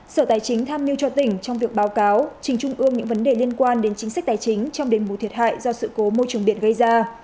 sở tài chính tham mưu cho tỉnh trong việc báo cáo trình trung ương những vấn đề liên quan đến chính sách tài chính trong đền bù thiệt hại do sự cố môi trường biển gây ra